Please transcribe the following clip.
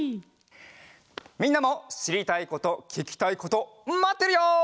みんなもしりたいことききたいことまってるよ！